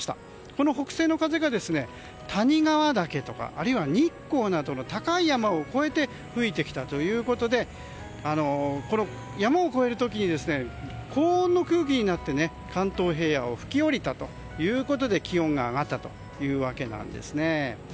この北西の風が谷川岳や日光などの高い山を越えて吹いてきたということで山を越える時に高温の空気になって関東平野を吹き下りたということで気温が上がったというわけなんです。